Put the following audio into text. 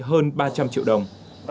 hơn ba trăm linh triệu đồng